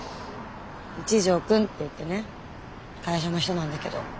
一条くんっていってね会社の人なんだけど。